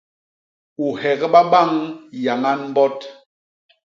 U hegba bañ yañan mbot.